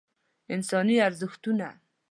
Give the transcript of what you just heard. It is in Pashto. انساني ارزښتونه